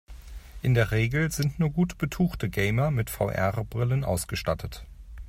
In der Regel sind nur gut betuchte Gamer mit VR-Brillen ausgestattet.